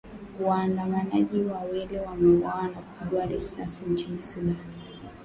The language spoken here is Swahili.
Waandamanaji wawili wameuawa kwa kupigwa risasi nchini Sudan.